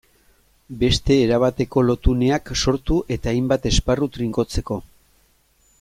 Beste erabateko lotuneak sortu eta hainbat esparru trinkotzeko.